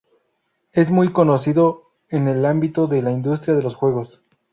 Es muy conocido en el ámbito de la industria de los juegos.